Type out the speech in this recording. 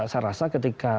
saya rasa ketika